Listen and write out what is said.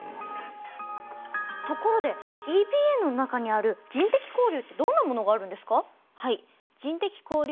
ところでＥＰＡの中にある人的交流ってどんなものがあるんですか？